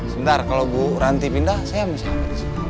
sebentar kalau bu ranti pindah saya yang bisa hampir disini